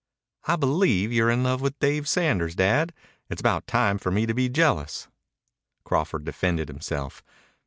"I believe you're in love with Dave Sanders, Dad. It's about time for me to be jealous." Crawford defended himself.